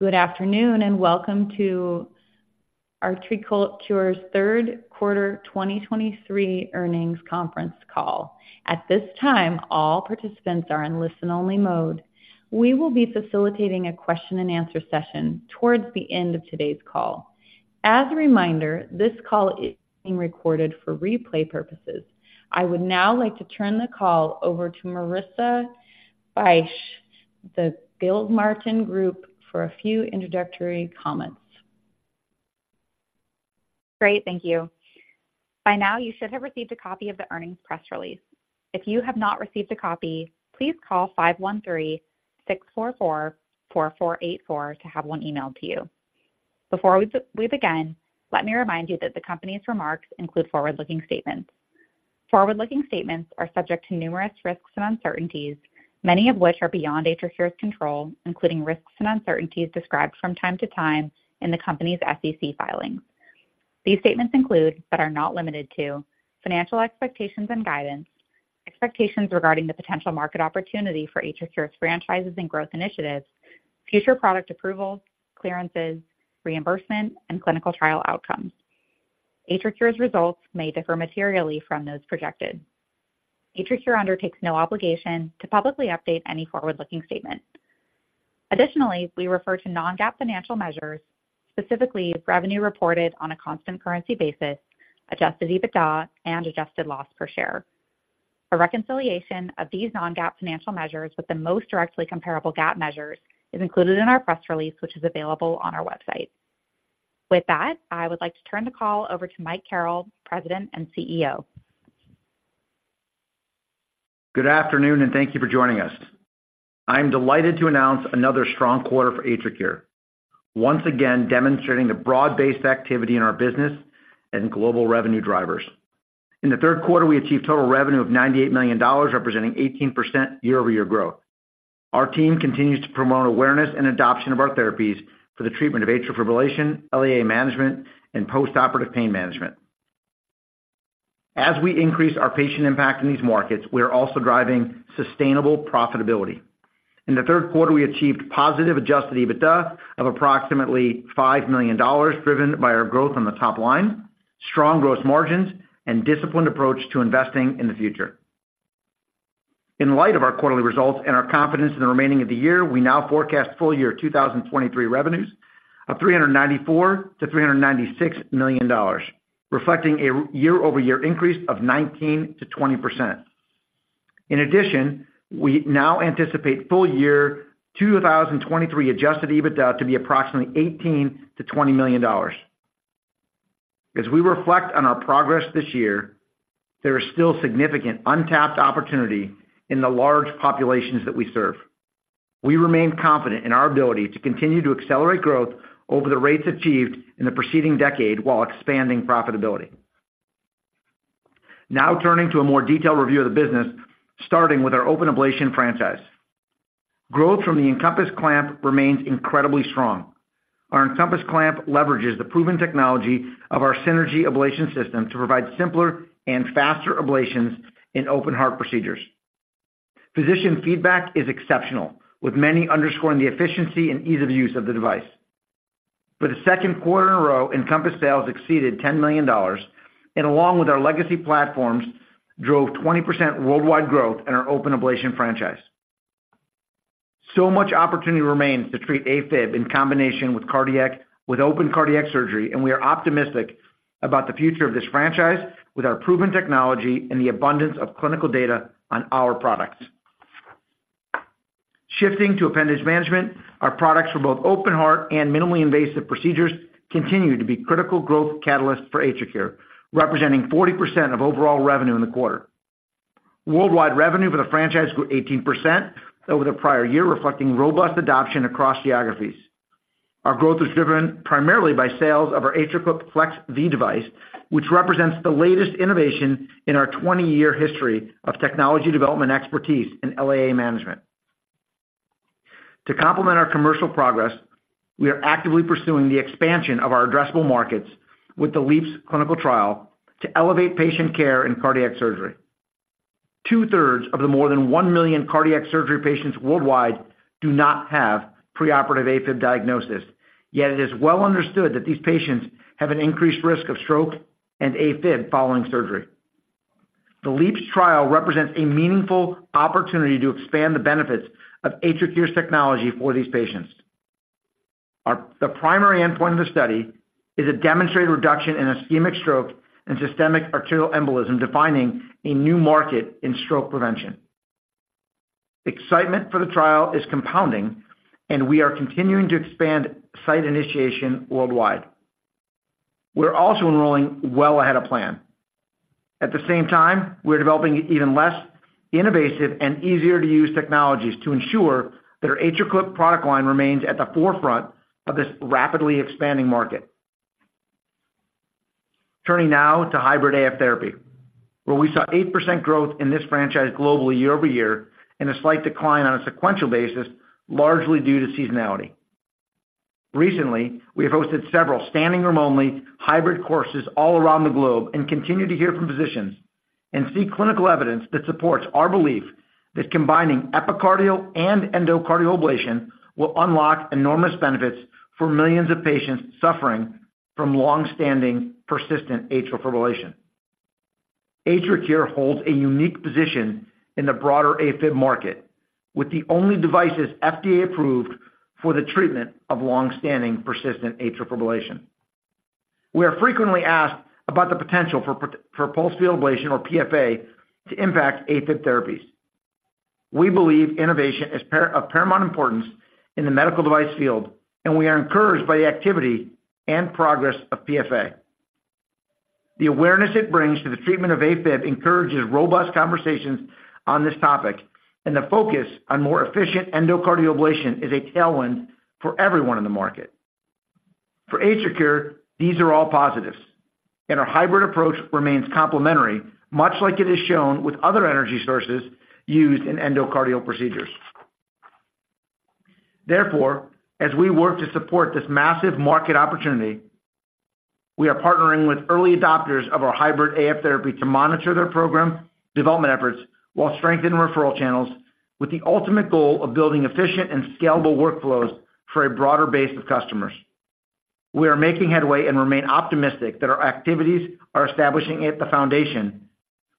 Good afternoon, and welcome to AtriCure's Q3 2023 Earnings Conference Call. At this time, all participants are in listen-only mode. We will be facilitating a Q&A session towards the end of today's call. As a reminder, this call is being recorded for replay purposes. I would now like to turn the call over to Marissa Bych, the Gilmartin Group, for a few introductory comments. Great, thank you. By now, you should have received a copy of the earnings press release. If you have not received a copy, please call 513-644-4484 to have one emailed to you. Before we begin, let me remind you that the company's remarks include forward-looking statements. Forward-looking statements are subject to numerous risks and uncertainties, many of which are beyond AtriCure's control, including risks and uncertainties described from time to time in the company's SEC filings. These statements include, but are not limited to, financial expectations and guidance, expectations regarding the potential market opportunity for AtriCure's franchises and growth initiatives, future product approvals, clearances, reimbursement, and clinical trial outcomes. AtriCure's results may differ materially from those projected. AtriCure undertakes no obligation to publicly update any forward-looking statements. Additionally, we refer to non-GAAP financial measures, specifically revenue reported on a constant currency basis, Adjusted EBITDA, and adjusted loss per share. A reconciliation of these non-GAAP financial measures with the most directly comparable GAAP measures is included in our press release, which is available on our website. With that, I would like to turn the call over to Mike Carrel, President and CEO. Good afternoon, and thank you for joining us. I'm delighted to announce another strong quarter for AtriCure, once again demonstrating the broad-based activity in our business and global revenue drivers. In the Q3, we achieved total revenue of $98 million, representing 18% year-over-year growth. Our team continues to promote awareness and adoption of our therapies for the treatment of atrial fibrillation, LAA management, and postoperative pain management. As we increase our patient impact in these markets, we are also driving sustainable profitability. In the Q3, we achieved positive Adjusted EBITDA of approximately $5 million, driven by our growth on the top line, strong gross margins, and disciplined approach to investing in the future. In light of our quarterly results and our confidence in the remaining of the year, we now forecast full year 2023 revenues of $394 million-$396 million, reflecting a year-over-year increase of 19%-20%. In addition, we now anticipate full year 2023 Adjusted EBITDA to be approximately $18 million-$20 million. As we reflect on our progress this year, there is still significant untapped opportunity in the large populations that we serve. We remain confident in our ability to continue to accelerate growth over the rates achieved in the preceding decade while expanding profitability. Now turning to a more detailed review of the business, starting with our open ablation franchise. Growth from the EnCompass clamp remains incredibly strong. Our EnCompass clamp leverages the proven technology of our Synergy ablation system to provide simpler and faster ablations in open heart procedures. Physician feedback is exceptional, with many underscoring the efficiency and ease of use of the device. For the Q2 in a row, EnCompass sales exceeded $10 million, and along with our legacy platforms, drove 20% worldwide growth in our open ablation franchise. So much opportunity remains to treat AFib in combination with open cardiac surgery, and we are optimistic about the future of this franchise with our proven technology and the abundance of clinical data on our products. Shifting to appendage management, our products for both open heart and minimally invasive procedures continue to be critical growth catalysts for AtriCure, representing 40% of overall revenue in the quarter. Worldwide revenue for the franchise grew 18% over the prior year, reflecting robust adoption across geographies. Our growth was driven primarily by sales of our AtriClip FLEX-V device, which represents the latest innovation in our 20-year history of technology development expertise in LAA management. To complement our commercial progress, we are actively pursuing the expansion of our addressable markets with the LeAAPS clinical trial to elevate patient care in cardiac surgery. Two-thirds of the more than 1 million cardiac surgery patients worldwide do not have preoperative AFib diagnosis, yet it is well understood that these patients have an increased risk of stroke and AFib following surgery. The LeAAPS trial represents a meaningful opportunity to expand the benefits of AtriCure's technology for these patients. The primary endpoint of the study is a demonstrated reduction in ischemic stroke and systemic arterial embolism, defining a new market in stroke prevention. Excitement for the trial is compounding, and we are continuing to expand site initiation worldwide. We're also enrolling well ahead of plan. At the same time, we're developing even less innovative and easier-to-use technologies to ensure that our AtriClip product line remains at the forefront of this rapidly expanding market. Turning now to Hybrid AF therapy, where we saw 8% growth in this franchise globally year-over-year and a slight decline on a sequential basis, largely due to seasonality. Recently, we have hosted several standing-room-only hybrid courses all around the globe and continue to hear from physicians and see clinical evidence that supports our belief that combining epicardial and endocardial ablation will unlock enormous benefits for millions of patients suffering from long-standing persistent atrial fibrillation. AtriCure holds a unique position in the broader AFib market, with the only devices FDA approved for the treatment of long-standing persistent atrial fibrillation. We are frequently asked about the potential for pulsed field ablation, or PFA, to impact AFib therapies. We believe innovation is of paramount importance in the medical device field, and we are encouraged by the activity and progress of PFA. The awareness it brings to the treatment of AFib encourages robust conversations on this topic, and the focus on more efficient endocardial ablation is a tailwind for everyone in the market. For AtriCure, these are all positives, and our hybrid approach remains complementary, much like it has shown with other energy sources used in endocardial procedures. Therefore, as we work to support this massive market opportunity, we are partnering with early adopters of our Hybrid AF Therapy to monitor their program development efforts while strengthening referral channels, with the ultimate goal of building efficient and scalable workflows for a broader base of customers. We are making headway and remain optimistic that our activities are establishing at the foundation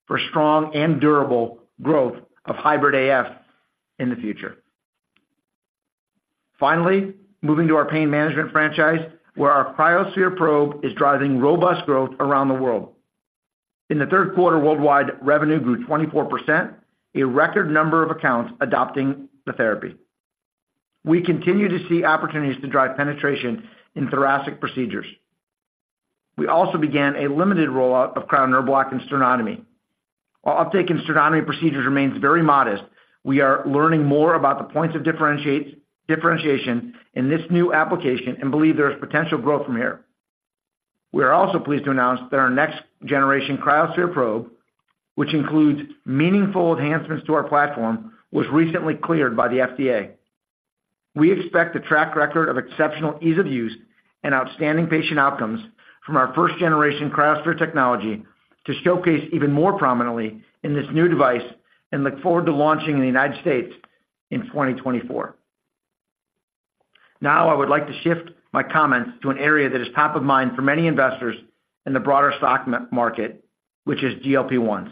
for strong and durable growth of Hybrid AF in the future. Finally, moving to our pain management franchise, where our cryoSPHERE probe is driving robust growth around the world. In the Q3, worldwide revenue grew 24%, a record number of accounts adopting the therapy. We continue to see opportunities to drive penetration in thoracic procedures. We also began a limited rollout of Cryo Nerve Block in sternotomy. While uptake in sternotomy procedures remains very modest, we are learning more about the points of differentiation in this new application and believe there is potential growth from here. We are also pleased to announce that our next-generation cryoSPHERE probe, which includes meaningful enhancements to our platform, was recently cleared by the FDA. We expect the track record of exceptional ease of use and outstanding patient outcomes from our first-generation cryoSPHERE technology to showcase even more prominently in this new device and look forward to launching in the United States in 2024. Now, I would like to shift my comments to an area that is top of mind for many investors in the broader stock market, which is GLP-1s.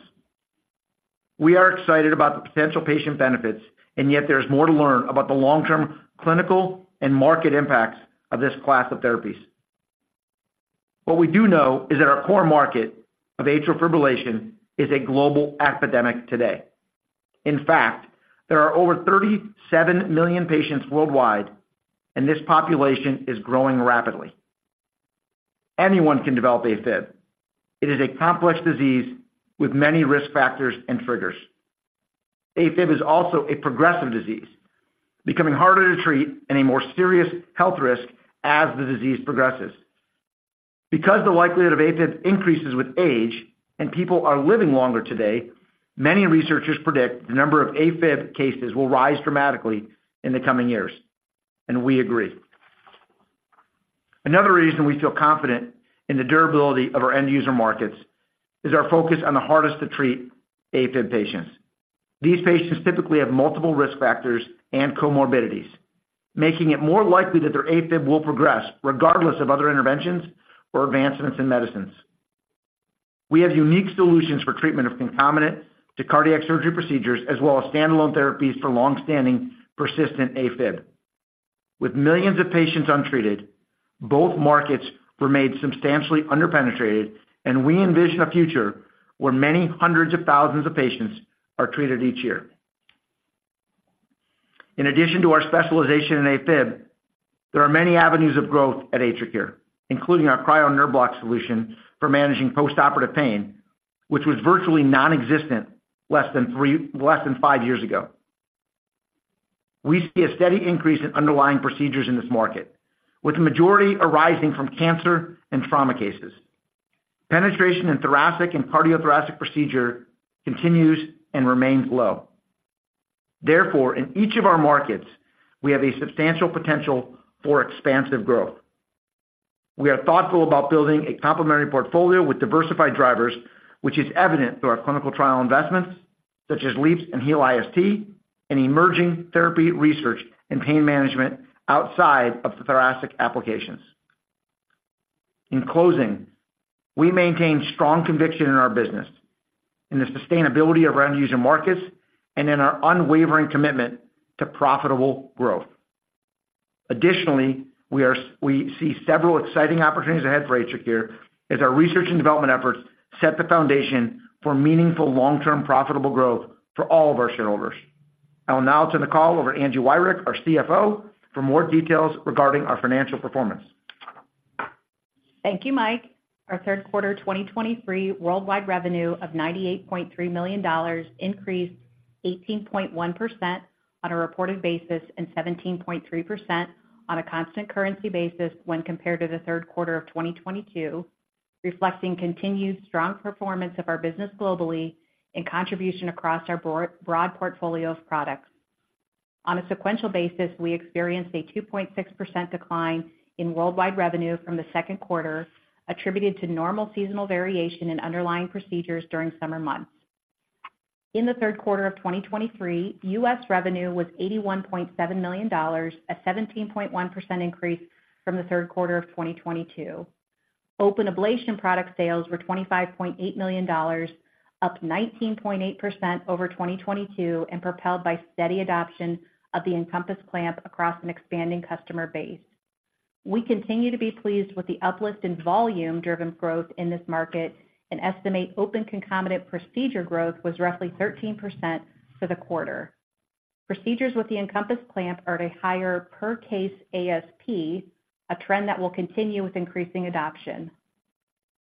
We are excited about the potential patient benefits, and yet there is more to learn about the long-term clinical and market impacts of this class of therapies. What we do know is that our core market of atrial fibrillation is a global epidemic today. In fact, there are over 37 million patients worldwide, and this population is growing rapidly. Anyone can develop AFib. It is a complex disease with many risk factors and triggers. AFib is also a progressive disease, becoming harder to treat and a more serious health risk as the disease progresses. Because the likelihood of AFib increases with age and people are living longer today, many researchers predict the number of AFib cases will rise dramatically in the coming years, and we agree. Another reason we feel confident in the durability of our end user markets is our focus on the hardest to treat AFib patients. These patients typically have multiple risk factors and comorbidities, making it more likely that their AFib will progress regardless of other interventions or advancements in medicines. We have unique solutions for treatment of concomitant to cardiac surgery procedures, as well as standalone therapies for long-standing persistent AFib. With millions of patients untreated, both markets remain substantially underpenetrated, and we envision a future where many hundreds of thousands of patients are treated each year. In addition to our specialization in AFib, there are many avenues of growth at AtriCure, including our Cryo Nerve Block solution for managing postoperative pain, which was virtually non-existent less than five years ago. We see a steady increase in underlying procedures in this market, with the majority arising from cancer and trauma cases. Penetration in thoracic and cardiothoracic procedure continues and remains low. Therefore, in each of our markets, we have a substantial potential for expansive growth. We are thoughtful about building a complementary portfolio with diversified drivers, which is evident through our clinical trial investments, such as LeAAPS and HEAL-IST, and emerging therapy research and pain management outside of the thoracic applications. In closing, we maintain strong conviction in our business, in the sustainability of our end user markets, and in our unwavering commitment to profitable growth. Additionally, we see several exciting opportunities ahead for AtriCure as our research and development efforts set the foundation for meaningful, long-term, profitable growth for all of our shareholders. I will now turn the call over to Angie Wirick, our CFO, for more details regarding our financial performance. Thank you, Mike. Our Q3 2023 worldwide revenue of $98.3 million increased 18.1% on a reported basis, and 17.3% on a constant currency basis when compared to the Q3 of 2022, reflecting continued strong performance of our business globally and contribution across our broad portfolio of products. On a sequential basis, we experienced a 2.6% decline in worldwide revenue from the Q2, attributed to normal seasonal variation in underlying procedures during summer months. In the Q3 of 2023, U.S. revenue was $81.7 million, a 17.1% increase from the Q3 of 2022. Open ablation product sales were $25.8 million, up 19.8% over 2022, and propelled by steady adoption of the EnCompass clamp across an expanding customer base. We continue to be pleased with the uplift in volume-driven growth in this market and estimate open concomitant procedure growth was roughly 13% for the quarter. Procedures with the EnCompass clamp are at a higher per case ASP, a trend that will continue with increasing adoption.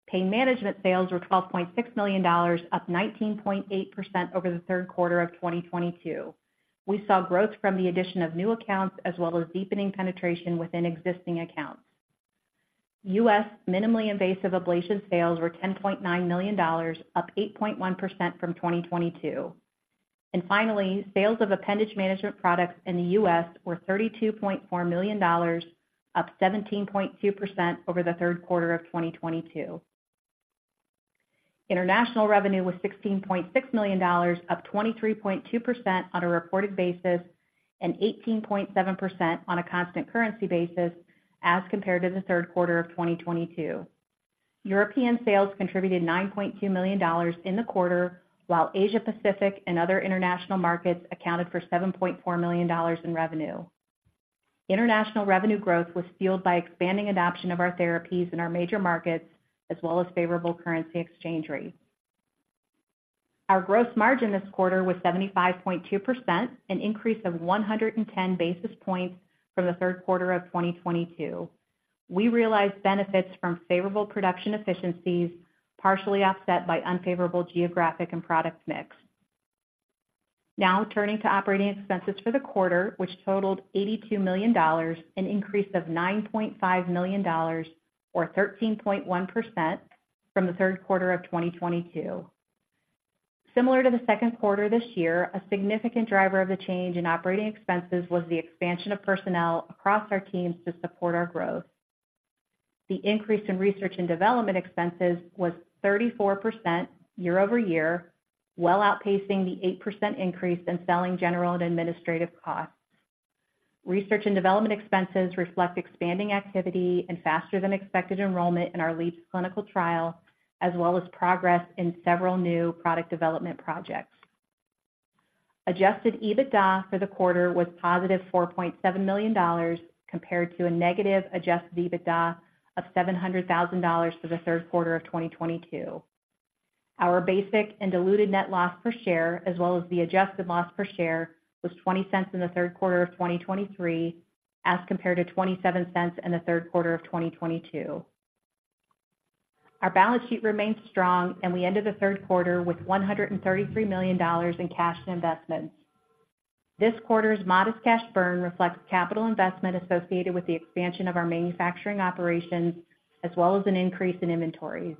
Pain management sales were $12.6 million, up 19.8% over the Q3 of 2022. We saw growth from the addition of new accounts, as well as deepening penetration within existing accounts. U.S. minimally invasive ablation sales were $10.9 million, up 8.1% from 2022. And finally, sales of appendage management products in the U.S. were $32.4 million, up 17.2% over the Q3 of 2022. International revenue was $16.6 million, up 23.2% on a reported basis and 18.7% on a constant currency basis as compared to the Q3 of 2022. European sales contributed $9.2 million in the quarter, while Asia Pacific and other international markets accounted for $7.4 million in revenue. International revenue growth was fueled by expanding adoption of our therapies in our major markets, as well as favorable currency exchange rates. Our gross margin this quarter was 75.2%, an increase of 110 basis points from the Q3 of 2022. We realized benefits from favorable production efficiencies, partially offset by unfavorable geographic and product mix. Now turning to operating expenses for the quarter, which totaled $82 million, an increase of $9.5 million or 13.1% from the Q3 of 2022. Similar to the Q2 this year, a significant driver of the change in operating expenses was the expansion of personnel across our teams to support our growth. The increase in research and development expenses was 34% year-over-year, well outpacing the 8% increase in selling, general, and administrative costs. Research and development expenses reflect expanding activity and faster than expected enrollment in our LeAAPS clinical trial, as well as progress in several new product development projects. Adjusted EBITDA for the quarter was positive $4.7 million, compared to a negative Adjusted EBITDA of $700,000 for the Q3 of 2022. Our basic and diluted net loss per share, as well as the adjusted loss per share, was $0.20 in the Q3 of 2023, as compared to $0.27 in the Q3 of 2022. Our balance sheet remains strong, and we ended the Q3 with $133 million in cash and investments. This quarter's modest cash burn reflects capital investment associated with the expansion of our manufacturing operations, as well as an increase in inventory.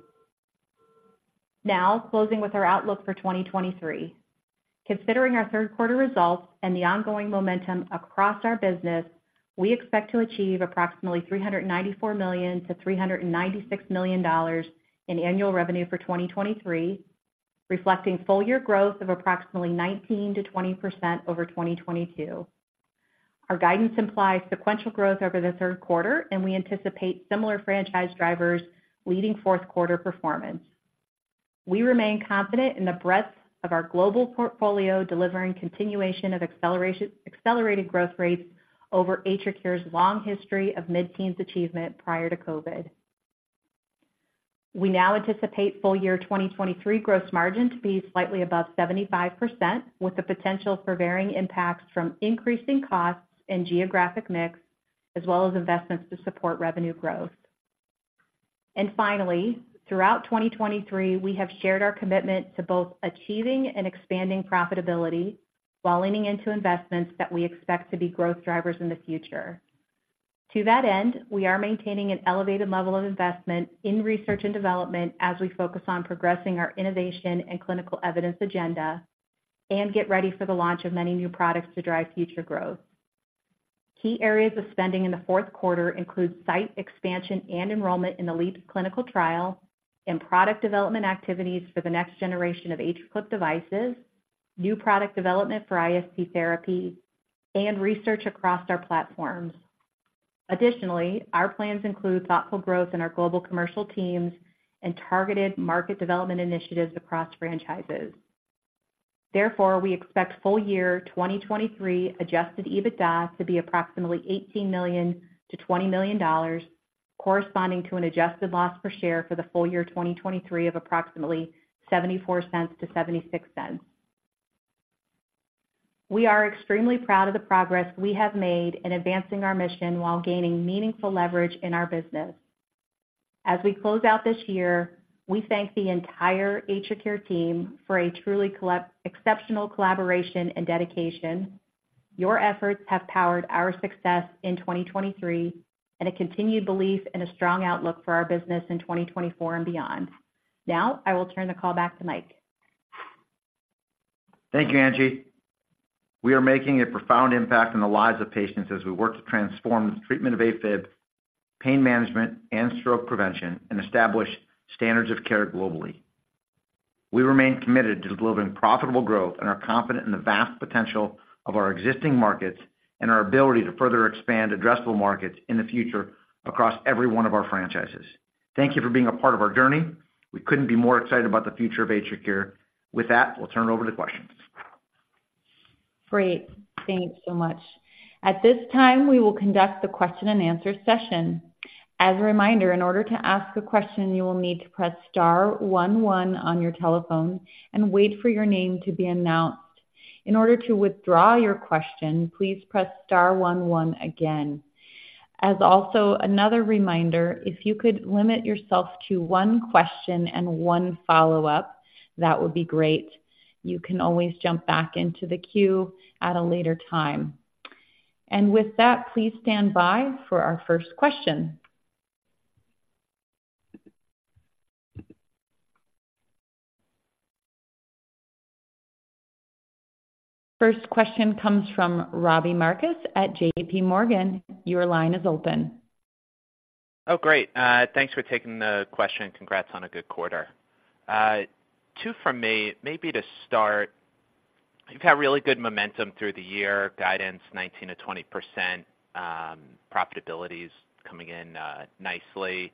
Now, closing with our outlook for 2023. Considering our Q3 results and the ongoing momentum across our business, we expect to achieve approximately $394 million-$396 million in annual revenue for 2023, reflecting full year growth of approximately 19%-20% over 2022. Our guidance implies sequential growth over the Q3, and we anticipate similar franchise drivers leading fourth quarter performance. We remain confident in the breadth of our global portfolio, delivering continuation of acceleration-- accelerated growth rates over AtriCure's long history of mid-teens achievement prior to COVID. We now anticipate full year 2023 gross margin to be slightly above 75%, with the potential for varying impacts from increasing costs and geographic mix, as well as investments to support revenue growth. And finally, throughout 2023, we have shared our commitment to both achieving and expanding profitability while leaning into investments that we expect to be growth drivers in the future. To that end, we are maintaining an elevated level of investment in research and development as we focus on progressing our innovation and clinical evidence agenda and get ready for the launch of many new products to drive future growth. Key areas of spending in the fourth quarter include site expansion and enrollment in the LeAAPS clinical trial and product development activities for the next generation of AtriClip devices, new product development for IST therapy, and research across our platforms. Additionally, our plans include thoughtful growth in our global commercial teams and targeted market development initiatives across franchises. Therefore, we expect full year 2023 Adjusted EBITDA to be approximately $18 million-$20 million, corresponding to an adjusted loss per share for the full year 2023 of approximately $0.74-$0.76. We are extremely proud of the progress we have made in advancing our mission while gaining meaningful leverage in our business. As we close out this year, we thank the entire AtriCure team for a truly exceptional collaboration and dedication. Your efforts have powered our success in 2023, and a continued belief and a strong outlook for our business in 2024 and beyond. Now, I will turn the call back to Mike. Thank you, Angie. We are making a profound impact on the lives of patients as we work to transform the treatment of AFib, pain management, and stroke prevention, and establish standards of care globally. We remain committed to delivering profitable growth and are confident in the vast potential of our existing markets and our ability to further expand addressable markets in the future across every one of our franchises. Thank you for being a part of our journey. We couldn't be more excited about the future of AtriCure. With that, we'll turn it over to questions. Great. Thank you so much. At this time, we will conduct the question and answer session. As a reminder, in order to ask a question, you will need to press star one one on your telephone and wait for your name to be announced. In order to withdraw your question, please press star one one again. As also another reminder, if you could limit yourself to one question and one follow-up, that would be great. You can always jump back into the queue at a later time. And with that, please stand by for our first question. First question comes from Robbie Marcus at JP Morgan. Your line is open. Oh, great. Thanks for taking the question, and congrats on a good quarter. Two from me, maybe to start, you've had really good momentum through the year, guidance 19%-20%, profitabilities coming in nicely.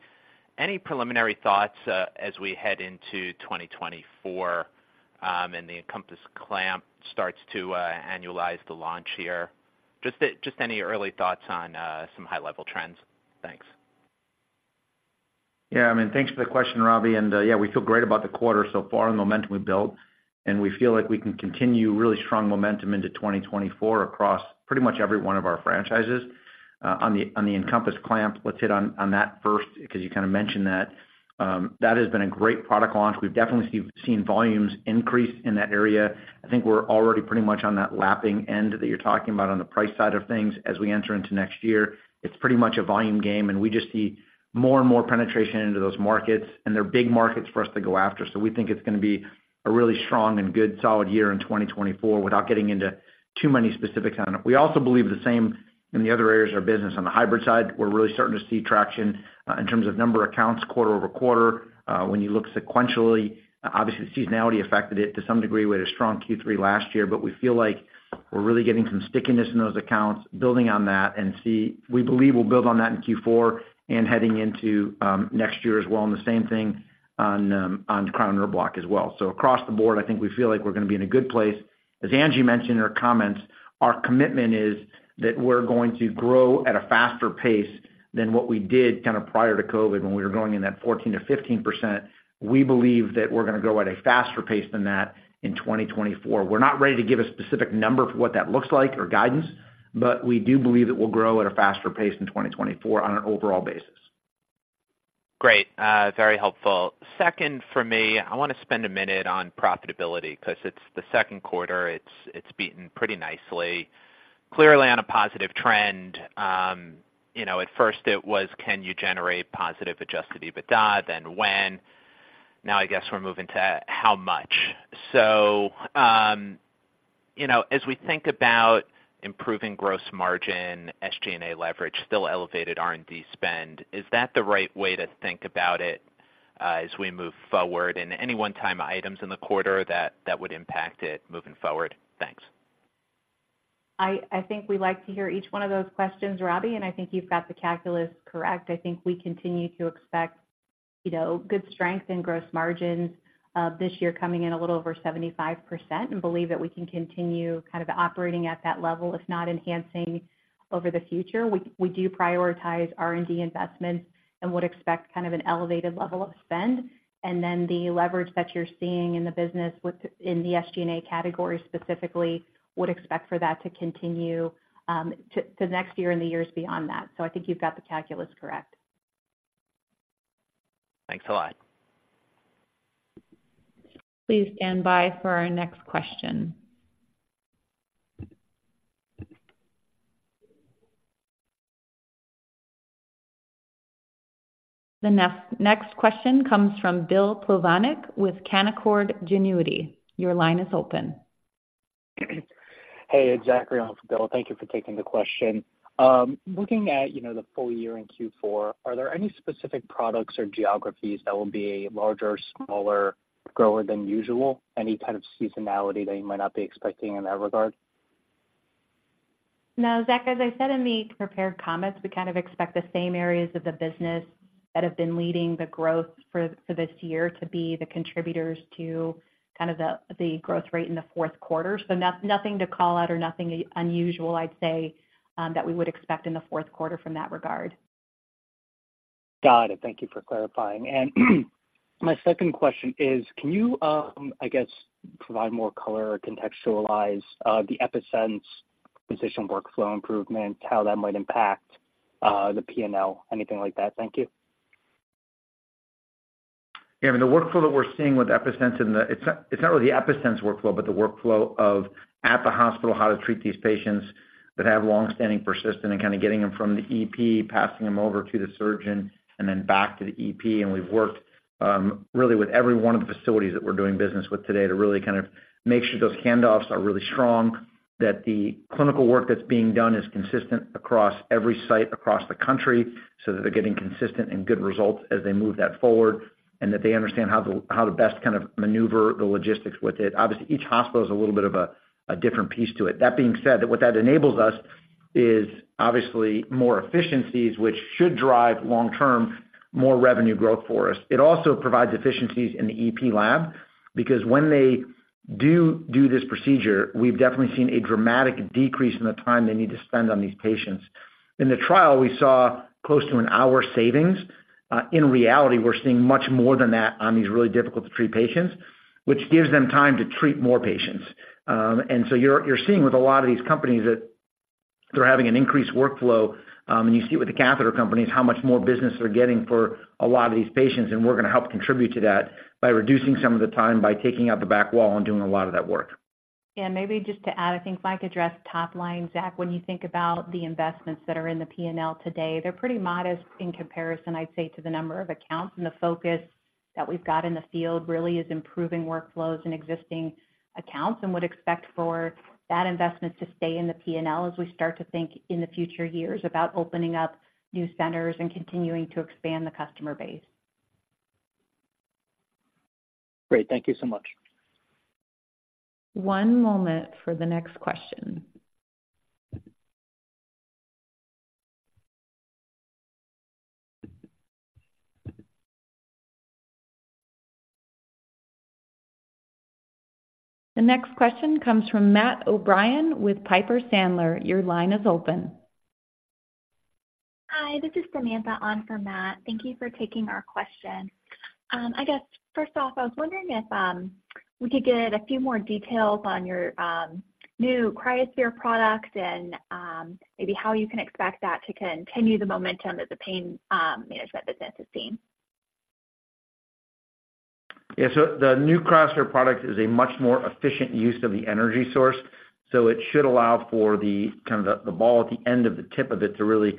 Any preliminary thoughts as we head into 2024, and the EnCompass Clamp starts to annualize the launch here? Just any early thoughts on some high-level trends? Thanks. Yeah, I mean, thanks for the question, Robbie. And yeah, we feel great about the quarter so far and the momentum we've built, and we feel like we can continue really strong momentum into 2024 across pretty much every one of our franchises. On the EnCompass Clamp, let's hit on that first, because you kind of mentioned that. That has been a great product launch. We've definitely seen volumes increase in that area. I think we're already pretty much on that lapping end that you're talking about on the price side of things as we enter into next year. It's pretty much a volume game, and we just see more and more penetration into those markets, and they're big markets for us to go after. We think it's going to be a really strong and good solid year in 2024, without getting into too many specifics on it. We also believe the same in the other areas of our business. On the hybrid side, we're really starting to see traction in terms of number of accounts quarter-over-quarter. When you look sequentially, obviously, seasonality affected it to some degree. We had a strong Q3 last year, but we feel like we're really getting some stickiness in those accounts, building on that, and we believe we'll build on that in Q4 and heading into next year as well, and the same thing on Cryo Nerve Block as well. Across the board, I think we feel like we're going to be in a good place. As Angie mentioned in her comments, our commitment is that we're going to grow at a faster pace than what we did kind of prior to COVID, when we were growing in that 14%-15%. We believe that we're going to grow at a faster pace than that in 2024. We're not ready to give a specific number for what that looks like or guidance, but we do believe it will grow at a faster pace in 2024 on an overall basis. Great, very helpful. Second, for me, I want to spend a minute on profitability because it's the Q2. It's beaten pretty nicely. Clearly on a positive trend, you know, at first it was, can you generate positive Adjusted EBITDA, then when? Now, I guess we're moving to how much. So, you know, as we think about improving gross margin, SG&A leverage, still elevated R&D spend, is that the right way to think about it, as we move forward? And any one-time items in the quarter that would impact it moving forward? Thanks. I think we like to hear each one of those questions, Robbie, and I think you've got the calculus correct. I think we continue to expect, you know, good strength in gross margins, this year coming in a little over 75%, and believe that we can continue kind of operating at that level, if not enhancing over the future. We do prioritize R&D investments and would expect kind of an elevated level of spend. And then the leverage that you're seeing in the business with in the SG&A category specifically, would expect for that to continue, to next year and the years beyond that. So I think you've got the calculus correct. Thanks a lot. Please stand by for our next question. The next question comes from Bill Plovanic with Canaccord Genuity. Your line is open. Hey, it's Zachary, not Bill. Thank you for taking the question. Looking at, you know, the full year in Q4, are there any specific products or geographies that will be larger or smaller grower than usual? Any kind of seasonality that you might not be expecting in that regard? No, Zach, as I said in the prepared comments, we kind of expect the same areas of the business that have been leading the growth for this year to be the contributors to kind of the growth rate in the Q4. So nothing to call out or nothing unusual, I'd say, that we would expect in the Q4 from that regard. Got it. Thank you for clarifying. And my second question is, can you, I guess, provide more color or contextualize the EPi-Sense physician workflow improvement, how that might impact the P&L, anything like that? Thank you. ... Yeah, I mean, the workflow that we're seeing with EPi-Sense and the, it's not, it's not really the EPi-Sense workflow, but the workflow at the hospital, how to treat these patients that have long-standing persistent, and kind of getting them from the EP, passing them over to the surgeon, and then back to the EP. And we've worked really with every one of the facilities that we're doing business with today to really kind of make sure those handoffs are really strong, that the clinical work that's being done is consistent across every site across the country, so that they're getting consistent and good results as they move that forward, and that they understand how to best kind of maneuver the logistics with it. Obviously, each hospital is a little bit of a different piece to it. That being said, what that enables us is obviously more efficiencies, which should drive long-term, more revenue growth for us. It also provides efficiencies in the EP lab, because when they do this procedure, we've definitely seen a dramatic decrease in the time they need to spend on these patients. In the trial, we saw close to an hour savings. In reality, we're seeing much more than that on these really difficult-to-treat patients, which gives them time to treat more patients. And so you're seeing with a lot of these companies that they're having an increased workflow, and you see it with the catheter companies, how much more business they're getting for a lot of these patients, and we're going to help contribute to that by reducing some of the time, by taking out the back wall and doing a lot of that work. Yeah, maybe just to add, I think Mike addressed top line, Zach, when you think about the investments that are in the PNL today, they're pretty modest in comparison, I'd say, to the number of accounts, and the focus that we've got in the field really is improving workflows in existing accounts, and would expect for that investment to stay in the PNL as we start to think in the future years about opening up new centers and continuing to expand the customer base. Great. Thank you so much. One moment for the next question. The next question comes from Matt O'Brien with Piper Sandler. Your line is open. Hi, this is Samantha on for Matt. Thank you for taking our question. I guess first off, I was wondering if we could get a few more details on your new cryoSPHERE product and maybe how you can expect that to continue the momentum that the pain management business is seeing. Yeah, so the new cryoSPHERE product is a much more efficient use of the energy source, so it should allow for the kind of the ball at the end of the tip of it to really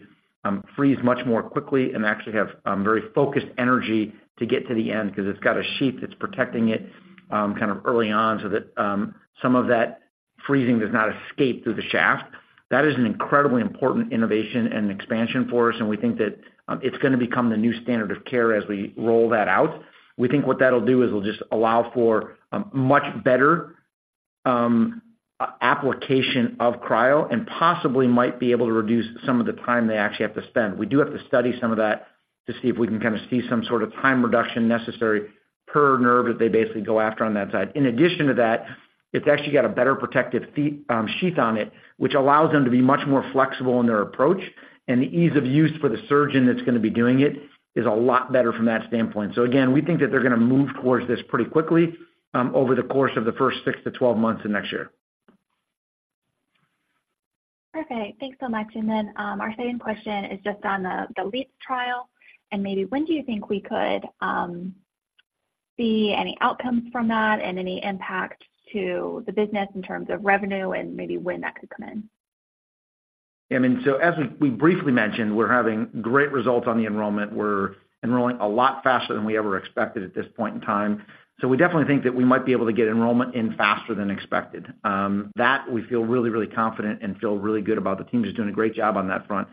freeze much more quickly and actually have very focused energy to get to the end because it's got a sheath that's protecting it kind of early on, so that some of that freezing does not escape through the shaft. That is an incredibly important innovation and expansion for us, and we think that it's going to become the new standard of care as we roll that out. We think what that'll do is it'll just allow for a much better application of cryo and possibly might be able to reduce some of the time they actually have to spend. We do have to study some of that to see if we can kind of see some sort of time reduction necessary per nerve, as they basically go after on that side. In addition to that, it's actually got a better protective sheath on it, which allows them to be much more flexible in their approach. And the ease of use for the surgeon that's going to be doing it is a lot better from that standpoint. So again, we think that they're going to move towards this pretty quickly over the course of the first 6 to 12 months of next year. Perfect. Thanks so much. And then, our second question is just on the, the LeAAPS trial, and maybe when do you think we could, see any outcomes from that and any impact to the business in terms of revenue and maybe when that could come in? I mean, so as we briefly mentioned, we're having great results on the enrollment. We're enrolling a lot faster than we ever expected at this point in time. So we definitely think that we might be able to get enrollment in faster than expected. That we feel really, really confident and feel really good about. The team is doing a great job on that front.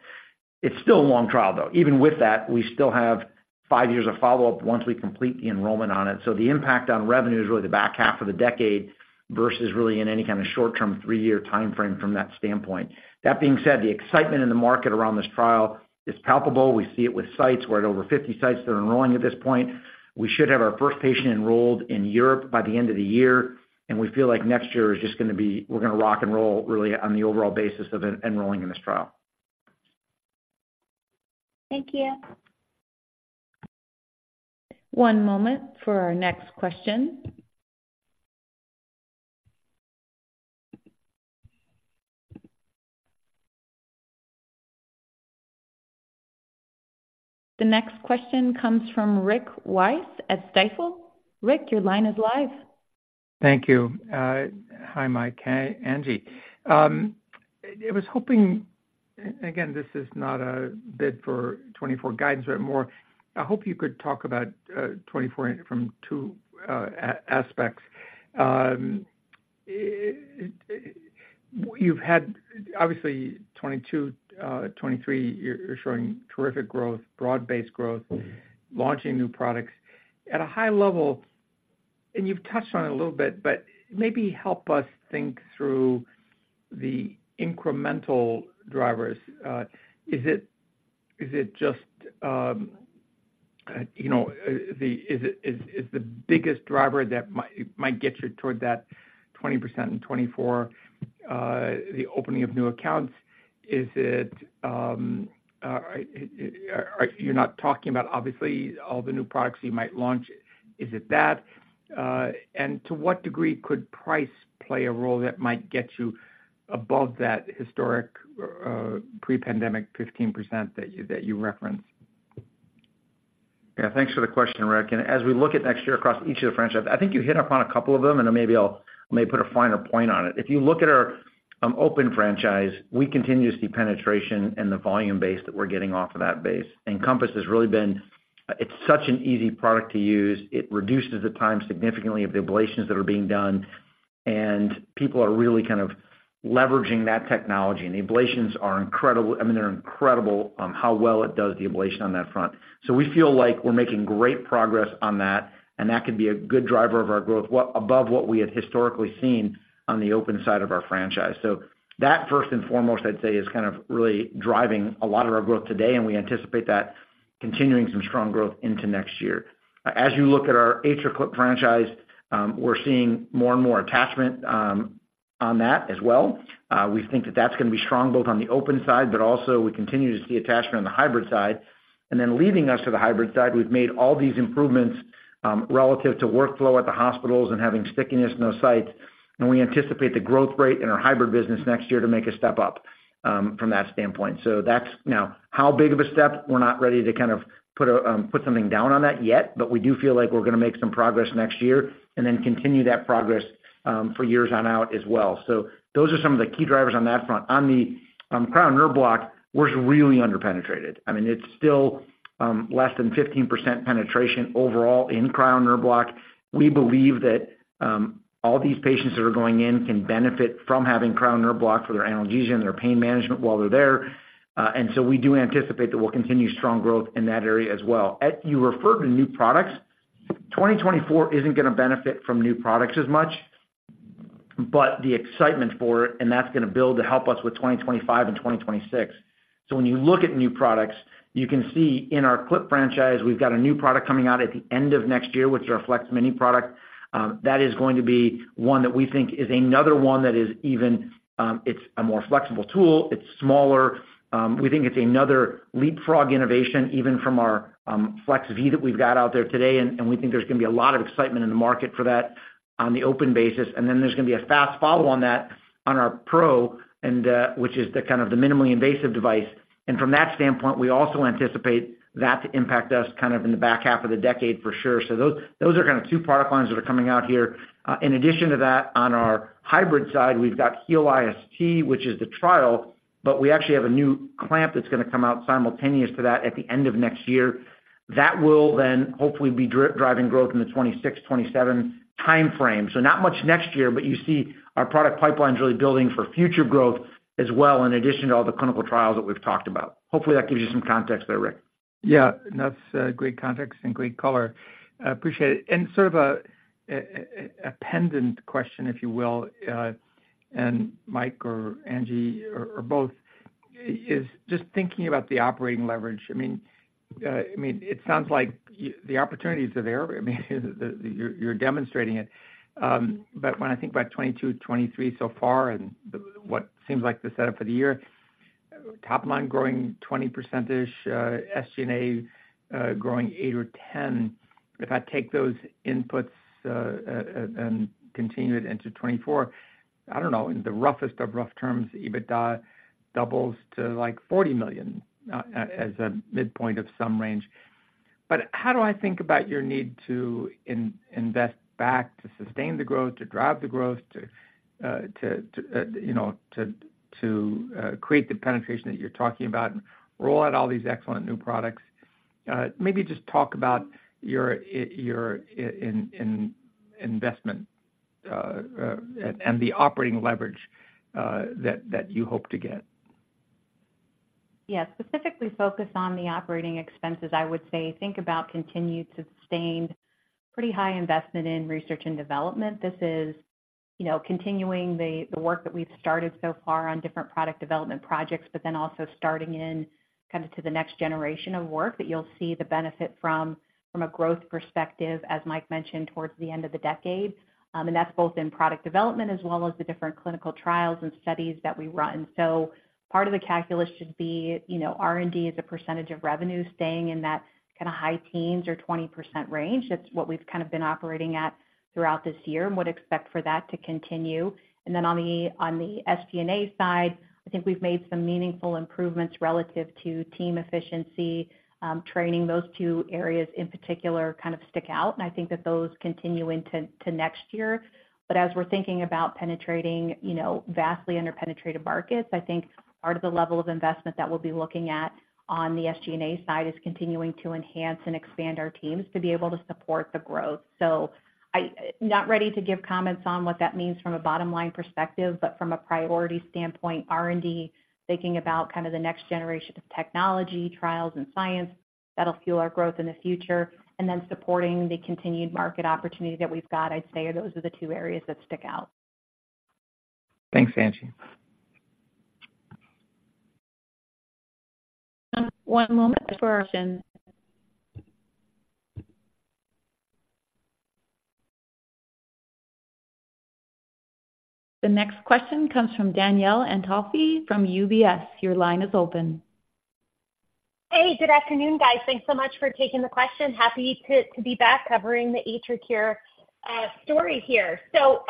It's still a long trial, though. Even with that, we still have five years of follow-up once we complete the enrollment on it. So the impact on revenue is really the back half of the decade versus really in any kind of short-term, 3-year timeframe from that standpoint. That being said, the excitement in the market around this trial is palpable. We see it with sites. We're at over 50 sites that are enrolling at this point. We should have our first patient enrolled in Europe by the end of the year, and we feel like next year is just going to be-- we're going to rock and roll really on the overall basis of enrolling in this trial. Thank you. One moment for our next question. The next question comes from Rick Wise at Stifel. Rick, your line is live. Thank you. Hi, Mike, hey, Angie. I was hoping, again, this is not a bid for 2024 guidance, but more I hope you could talk about, 2024 from 2 aspects. You've had obviously 2022, 2023, you're showing terrific growth, broad-based growth, launching new products. At a high level, and you've touched on it a little bit, but maybe help us think through the incremental drivers. Is it, is it just, you know, is the biggest driver that might get you toward that 20% in 2024, the opening of new accounts? Is it, you're not talking about, obviously, all the new products you might launch. Is it that? To what degree could price play a role that might get you above that historic, pre-pandemic 15% that you referenced? ... Yeah, thanks for the question, Rick. And as we look at next year across each of the franchises, I think you hit upon a couple of them, and then maybe I'll, maybe put a finer point on it. If you look at our open franchise, we continue to see penetration in the volume base that we're getting off of that base. And EnCompass has really been. It's such an easy product to use. It reduces the time significantly of the ablations that are being done, and people are really kind of leveraging that technology. And the ablations are incredible. I mean, they're incredible on how well it does the ablation on that front. So we feel like we're making great progress on that, and that could be a good driver of our growth, what, above what we had historically seen on the open side of our franchise. So that, first and foremost, I'd say, is kind of really driving a lot of our growth today, and we anticipate that continuing some strong growth into next year. As you look at our AtriClip franchise, we're seeing more and more attachment on that as well. We think that that's going to be strong, both on the open side, but also we continue to see attachment on the hybrid side. And then leading us to the hybrid side, we've made all these improvements relative to workflow at the hospitals and having stickiness in those sites. And we anticipate the growth rate in our hybrid business next year to make a step up from that standpoint. So that's... Now, how big of a step? We're not ready to kind of put a, put something down on that yet, but we do feel like we're going to make some progress next year and then continue that progress, for years on out as well. So those are some of the key drivers on that front. On the Cryo Nerve Block, we're really underpenetrated. I mean, it's still less than 15% penetration overall in Cryo Nerve Block. We believe that all these patients that are going in can benefit from having Cryo Nerve Block for their analgesia and their pain management while they're there. And so we do anticipate that we'll continue strong growth in that area as well. At-- you referred to new products. 2024 isn't going to benefit from new products as much, but the excitement for it, and that's going to build to help us with 2025 and 2026. So when you look at new products, you can see in our AtriClip franchise, we've got a new product coming out at the end of next year, which is our FLEX Mini product. That is going to be one that we think is another one that is even, it's a more flexible tool. It's smaller. We think it's another leapfrog innovation, even from our FLEX-V that we've got out there today, and, and we think there's going to be a lot of excitement in the market for that on the open basis. Then there's going to be a fast follow on that on our PRO, and which is kind of the minimally invasive device. And from that standpoint, we also anticipate that to impact us kind of in the back half of the decade for sure. So those, those are kind of two product lines that are coming out here. In addition to that, on our hybrid side, we've got HEAL-IST, which is the trial, but we actually have a new clamp that's going to come out simultaneous to that at the end of next year. That will then hopefully be driving growth in the 2026, 2027 timeframe. So not much next year, but you see our product pipeline's really building for future growth as well, in addition to all the clinical trials that we've talked about. Hopefully, that gives you some context there, Rick. Yeah, that's great context and great color. I appreciate it. And sort of a pendant question, if you will, and Mike or Angie or both, is just thinking about the operating leverage. I mean, I mean, it sounds like the opportunities are there. I mean, you're demonstrating it. But when I think about 2022, 2023 so far and the what seems like the setup for the year, top line growing 20%ish, SG&A growing 8 or 10. If I take those inputs and continue it into 2024, I don't know, in the roughest of rough terms, EBITDA doubles to, like, $40 million, as a midpoint of some range. But how do I think about your need to invest back to sustain the growth, to drive the growth, to, to, you know, to create the penetration that you're talking about and roll out all these excellent new products? Maybe just talk about your investment and the operating leverage that you hope to get. Yeah, specifically focused on the operating expenses, I would say, think about continued, sustained, pretty high investment in research and development. This is, you know, continuing the work that we've started so far on different product development projects, but then also starting in kind of to the next generation of work that you'll see the benefit from, from a growth perspective, as Mike mentioned, towards the end of the decade. And that's both in product development as well as the different clinical trials and studies that we run. So part of the calculus should be, you know, R&D as a percentage of revenue, staying in that kind of high teens or 20% range. That's what we've kind of been operating at throughout this year and would expect for that to continue. Then on the SG&A side, I think we've made some meaningful improvements relative to team efficiency, training. Those two areas in particular kind of stick out, and I think that those continue into next year. But as we're thinking about penetrating, you know, vastly underpenetrated markets, I think part of the level of investment that we'll be looking at on the SG&A side is continuing to enhance and expand our teams to be able to support the growth. So, I'm not ready to give comments on what that means from a bottom-line perspective, but from a priority standpoint, R&D, thinking about kind of the next generation of technology, trials, and science, that'll fuel our growth in the future, and then supporting the continued market opportunity that we've got, I'd say those are the two areas that stick out. Thanks, Angie. One moment for our question. The next question comes from Danielle Antalffy from UBS. Your line is open. Hey, good afternoon, guys. Thanks so much for taking the question. Happy to be back covering the AtriCure story here. So,...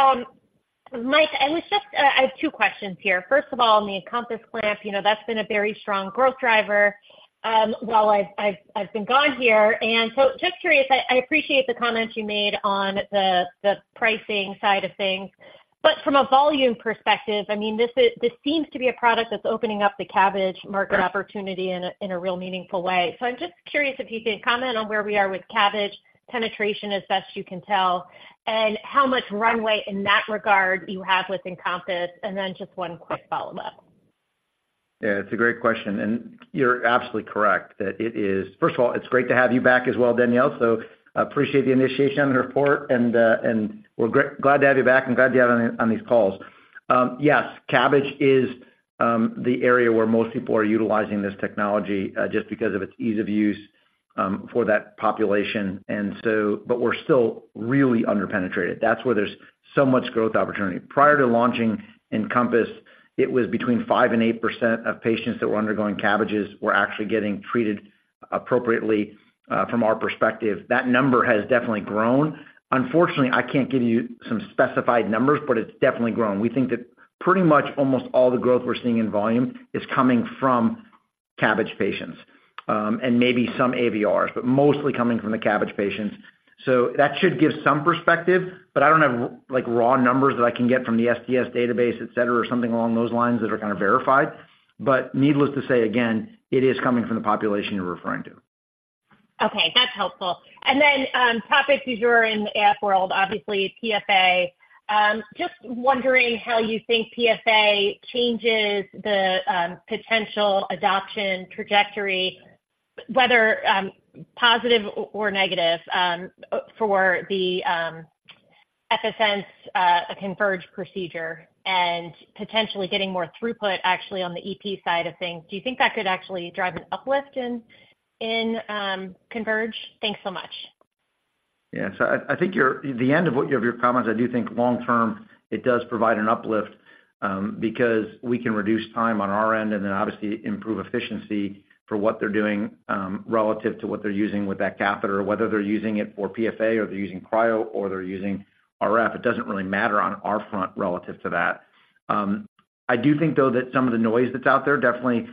Mike, I was just, I have two questions here. First of all, on the EnCompass clamp, you know, that's been a very strong growth driver, while I've been gone here. And so just curious, I appreciate the comments you made on the pricing side of things, but from a volume perspective, I mean, this seems to be a product that's opening up the CABG market opportunity in a real meaningful way. So I'm just curious if you could comment on where we are with CABG penetration as best you can tell, and how much runway in that regard you have with EnCompass, and then just one quick follow-up. Yeah, it's a great question, and you're absolutely correct that it is. First of all, it's great to have you back as well, Danielle. So I appreciate the initiation on the report, and we're glad to have you back and glad to have you on these calls. Yes, CABG is the area where most people are utilizing this technology, just because of its ease of use for that population. But we're still really under-penetrated. That's where there's so much growth opportunity. Prior to launching EnCompass, it was between 5% and 8% of patients that were undergoing CABGs were actually getting treated appropriately from our perspective. That number has definitely grown. Unfortunately, I can't give you some specific numbers, but it's definitely grown. We think that pretty much almost all the growth we're seeing in volume is coming from CABG patients, and maybe some ABRs, but mostly coming from the CABG patients. So that should give some perspective, but I don't have like, raw numbers that I can get from the STS database, et cetera, or something along those lines that are kind of verified. But needless to say, again, it is coming from the population you're referring to. Okay, that's helpful. And then, topics you hear in the AF world, obviously, PFA. Just wondering how you think PFA changes the, potential adoption trajectory, whether, positive or negative, for the, EPi-Sense, Converge procedure, and potentially getting more throughput actually on the EP side of things. Do you think that could actually drive an uplift in, Converge? Thanks so much. Yeah. So I think you're the end of what of your comments. I do think long term, it does provide an uplift because we can reduce time on our end and then obviously improve efficiency for what they're doing relative to what they're using with that catheter, whether they're using it for PFA or they're using cryo or they're using RF. It doesn't really matter on our front relative to that. I do think though that some of the noise that's out there definitely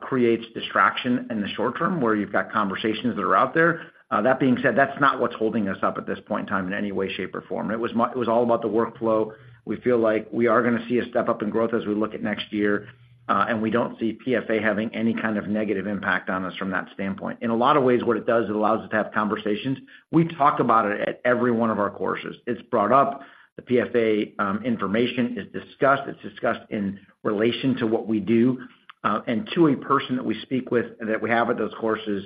creates distraction in the short term, where you've got conversations that are out there. That being said, that's not what's holding us up at this point in time in any way, shape, or form. It was all about the workflow. We feel like we are going to see a step-up in growth as we look at next year, and we don't see PFA having any kind of negative impact on us from that standpoint. In a lot of ways, what it does, it allows us to have conversations. We talk about it at every one of our courses. It's brought up, the PFA, information is discussed. It's discussed in relation to what we do, and to a person that we speak with and that we have at those courses.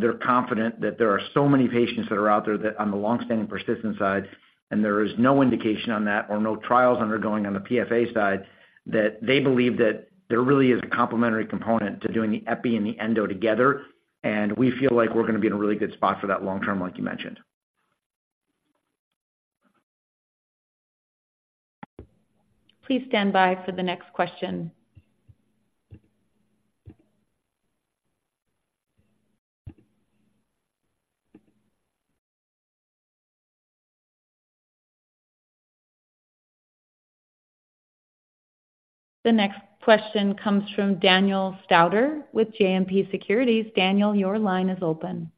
They're confident that there are so many patients that are out there that on the long-standing persistent side, and there is no indication on that or no trials undergoing on the PFA side, that they believe that there really is a complementary component to doing the epi and the endo together, and we feel like we're going to be in a really good spot for that long term, like you mentioned. Please stand by for the next question. The next question comes from Daniel Stauder with JMP Securities. Daniel, your line is open.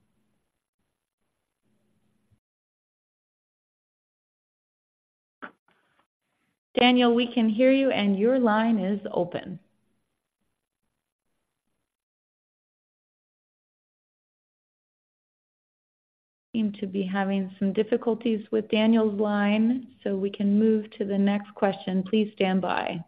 Daniel, we can hear you, and your line is open. Seem to be having some difficulties with Daniel's line, so we can move to the next question. Please stand by.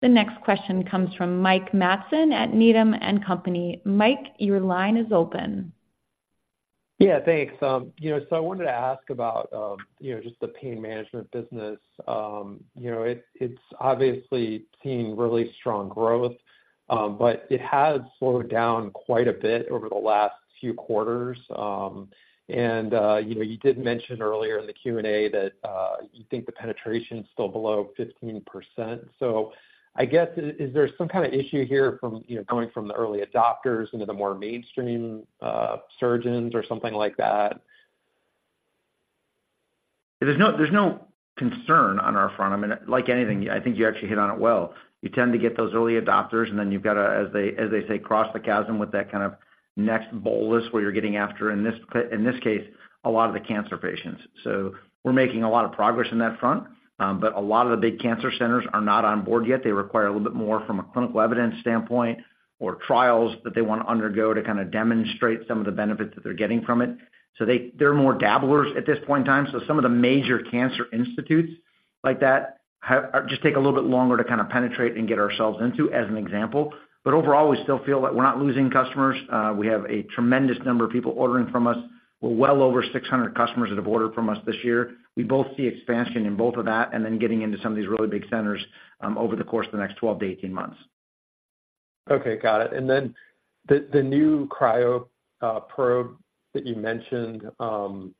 The next question comes from Mike Matson at Needham and Company. Mike, your line is open. Yeah, thanks. You know, so I wanted to ask about, you know, just the pain management business. You know, it's obviously seeing really strong growth, but it has slowed down quite a bit over the last few quarters. And, you know, you did mention earlier in the Q&A that, you think the penetration is still below 15%. So I guess, is there some kind of issue here from, you know, going from the early adopters into the more mainstream, surgeons or something like that? There's no concern on our front. I mean, like anything, I think you actually hit on it well. You tend to get those early adopters, and then you've got to, as they say, cross the chasm with that kind of next bolus, where you're getting after, in this case, a lot of the cancer patients. So we're making a lot of progress on that front, but a lot of the big cancer centers are not on board yet. They require a little bit more from a clinical evidence standpoint or trials that they want to undergo to kind of demonstrate some of the benefits that they're getting from it. So they're more dabblers at this point in time. So some of the major cancer institutes like that have just take a little bit longer to kind of penetrate and get ourselves into, as an example. But overall, we still feel like we're not losing customers. We have a tremendous number of people ordering from us. We're well over 600 customers that have ordered from us this year. We both see expansion in both of that and then getting into some of these really big centers, over the course of the next 12-18 months.... Okay, got it. And then the, the new cryo probe that you mentioned, you know,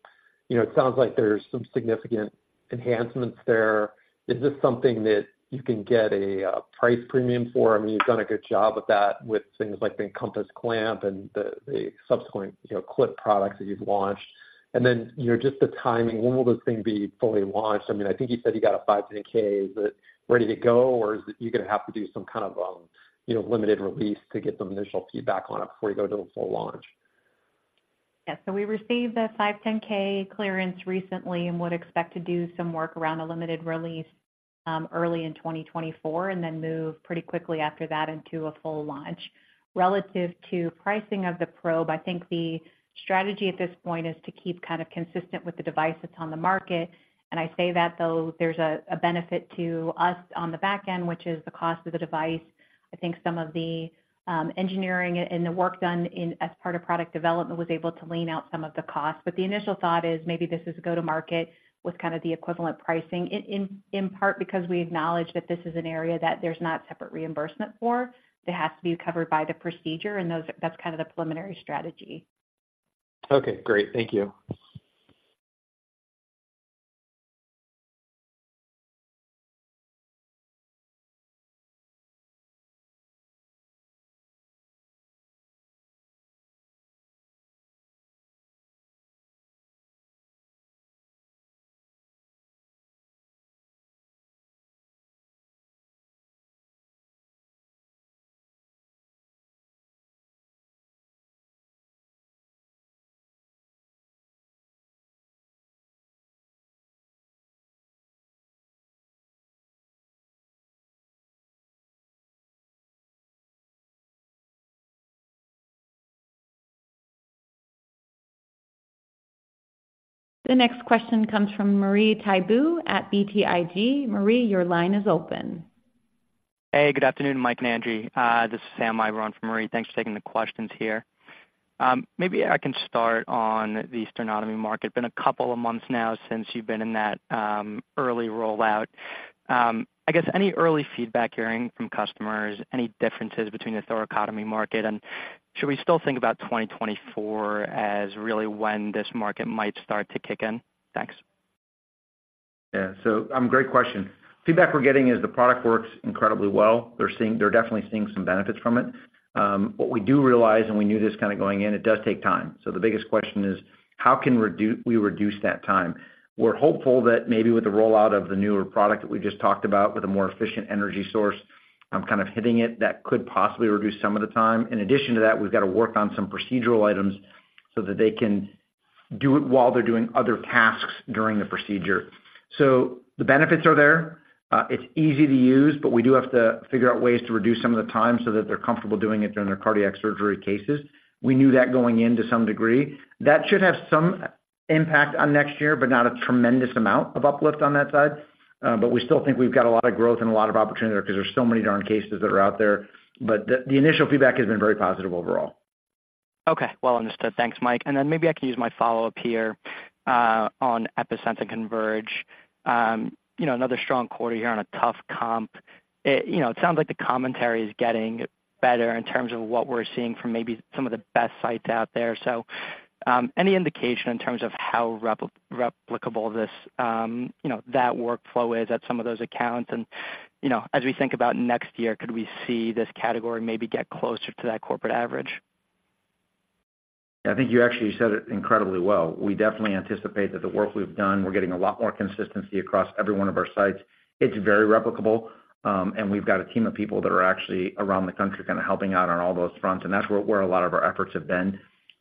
it sounds like there's some significant enhancements there. Is this something that you can get a price premium for? I mean, you've done a good job of that with things like the EnCompass clamp and the, the subsequent, you know, clip products that you've launched. And then, you know, just the timing, when will this thing be fully launched? I mean, I think you said you got a 510(k). Is it ready to go, or is it you're gonna have to do some kind of, you know, limited release to get some initial feedback on it before you go to the full launch? Yeah. So we received a 510(k) clearance recently and would expect to do some work around a limited release early in 2024, and then move pretty quickly after that into a full launch. Relative to pricing of the probe, I think the strategy at this point is to keep kind of consistent with the devices on the market, and I say that though, there's a benefit to us on the back end, which is the cost of the device. I think some of the engineering and the work done in as part of product development was able to lean out some of the costs. But the initial thought is maybe this is go to market with kind of the equivalent pricing, in part because we acknowledge that this is an area that there's not separate reimbursement for. It has to be covered by the procedure, and that's kind of the preliminary strategy. Okay, great. Thank you. The next question comes from Marie Thibault at BTIG. Marie, your line is open. Hey, good afternoon, Mike and Angie. This is Sam Eiber from Marie. Thanks for taking the questions here. Maybe I can start on the sternotomy market. Been a couple of months now since you've been in that early rollout. I guess any early feedback you're hearing from customers, any differences between the thoracotomy market, and should we still think about 2024 as really when this market might start to kick in? Thanks. Yeah. So, great question. Feedback we're getting is the product works incredibly well. They're definitely seeing some benefits from it. What we do realize, and we knew this kind of going in, it does take time. So the biggest question is: How can we reduce that time? We're hopeful that maybe with the rollout of the newer product that we just talked about, with a more efficient energy source, kind of hitting it, that could possibly reduce some of the time. In addition to that, we've got to work on some procedural items so that they can do it while they're doing other tasks during the procedure. So the benefits are there. It's easy to use, but we do have to figure out ways to reduce some of the time so that they're comfortable doing it during their cardiac surgery cases. We knew that going in to some degree. That should have some impact on next year, but not a tremendous amount of uplift on that side. But we still think we've got a lot of growth and a lot of opportunity there because there's so many darn cases that are out there. But the initial feedback has been very positive overall. Okay, well understood. Thanks, Mike. And then maybe I can use my follow-up here on Epi-Sense CONVERGE. You know, another strong quarter here on a tough comp. You know, it sounds like the commentary is getting better in terms of what we're seeing from maybe some of the best sites out there. So, any indication in terms of how replicable this, you know, that workflow is at some of those accounts? And, you know, as we think about next year, could we see this category maybe get closer to that corporate average? I think you actually said it incredibly well. We definitely anticipate that the work we've done, we're getting a lot more consistency across every one of our sites. It's very replicable, and we've got a team of people that are actually around the country kind of helping out on all those fronts, and that's where a lot of our efforts have been.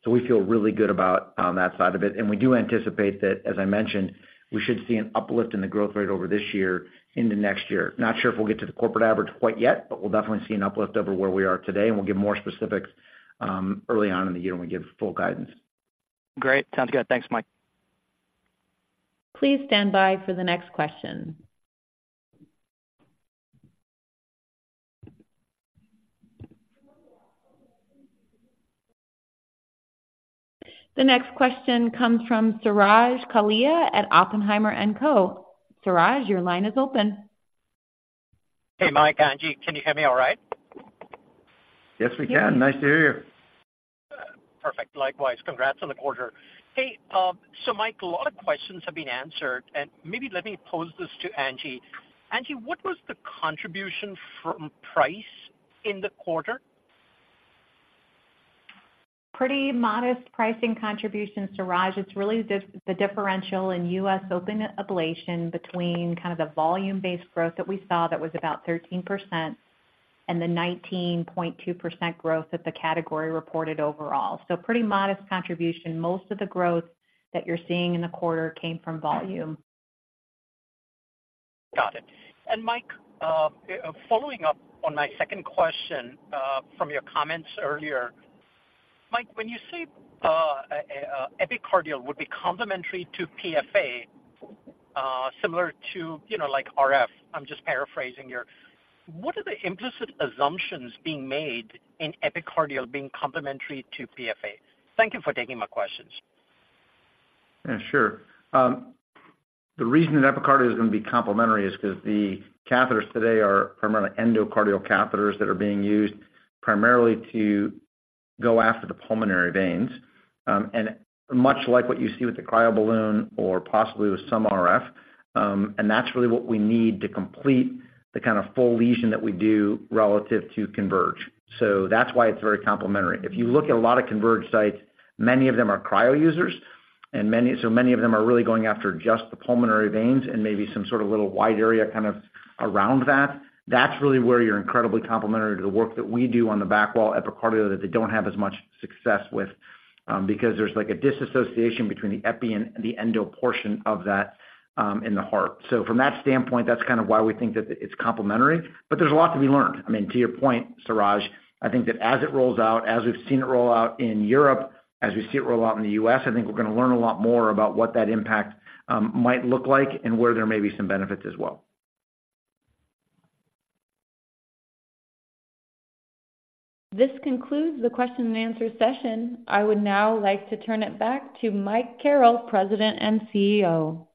So we feel really good about on that side of it. And we do anticipate that, as I mentioned, we should see an uplift in the growth rate over this year into next year. Not sure if we'll get to the corporate average quite yet, but we'll definitely see an uplift over where we are today, and we'll give more specifics, early on in the year when we give full guidance. Great. Sounds good. Thanks, Mike. Please stand by for the next question. The next question comes from Suraj Kalia at Oppenheimer and Co. Suraj, your line is open. Hey, Mike, Angie, can you hear me all right? Yes, we can. Nice to hear you. Perfect. Likewise. Congrats on the quarter. Hey, so Mike, a lot of questions have been answered, and maybe let me pose this to Angie. Angie, what was the contribution from price in the quarter? Pretty modest pricing contributions, Suraj. It's really just the differential in U.S. open ablation between kind of the volume-based growth that we saw that was about 13% and the 19.2% growth that the category reported overall. So pretty modest contribution. Most of the growth that you're seeing in the quarter came from volume. Got it. And Mike, following up on my second question, from your comments earlier. Mike, when you say epicardial would be complementary to PFA, similar to, you know, like RF, I'm just paraphrasing here. What are the implicit assumptions being made in epicardial being complementary to PFA? Thank you for taking my questions. Yeah, sure. The reason that epicardial is going to be complementary is because the catheters today are primarily endocardial catheters that are being used primarily to go after the pulmonary veins, and much like what you see with the cryoballoon or possibly with some RF, and that's really what we need to complete the kind of full lesion that we do relative to CONVERGE. So that's why it's very complementary. If you look at a lot of CONVERGE sites, many of them are cryo users, and many... so many of them are really going after just the pulmonary veins and maybe some sort of little wide area kind of around that. That's really where you're incredibly complementary to the work that we do on the back wall, epicardial, that they don't have as much success with, because there's like a disassociation between the epi and the endo portion of that, in the heart. So from that standpoint, that's kind of why we think that it's complementary, but there's a lot to be learned. I mean, to your point, Suraj, I think that as it rolls out, as we've seen it roll out in Europe, as we see it roll out in the U.S., I think we're going to learn a lot more about what that impact might look like and where there may be some benefits as well. This concludes the question and answer session. I would now like to turn it back to Michael H. Carrel, President and CEO.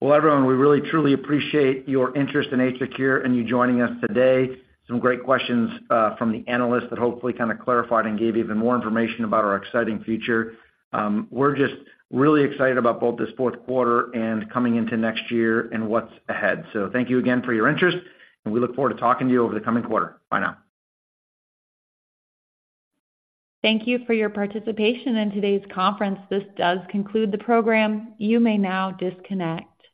Well, everyone, we really, truly appreciate your interest in AtriCure and you joining us today. Some great questions from the analysts that hopefully kind of clarified and gave you even more information about our exciting future. We're just really excited about both this Q4 and coming into next year and what's ahead. So thank you again for your interest, and we look forward to talking to you over the coming quarter. Bye now. Thank you for your participation in today's conference. This does conclude the program. You may now disconnect.